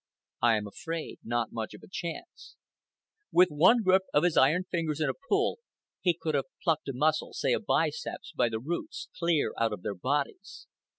I am afraid not much of a chance. With one grip of his iron fingers and a pull, he could have plucked a muscle, say a biceps, by the roots, clear out of their bodies.